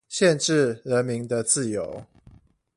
限制人民的自由